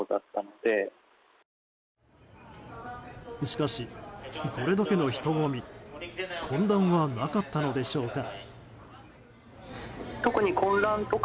しかし、これだけの人混み混乱はなかったのでしょうか。